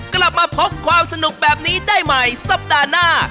กลับมาพบความสนุกแบบนี้ได้ใหม่สัปดาห์หน้า